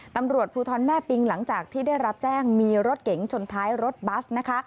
ตำรวจภูทรแม่ปิงหลังจากที่ได้รับแจ้งมีรถเก๋งชนท้ายรถบัสนะคะ